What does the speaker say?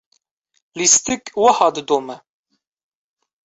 lîstik wiha didome.